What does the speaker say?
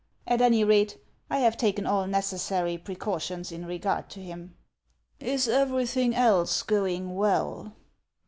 At any rate, I have taken all necessary precautions in regard to him." " Is everything else going well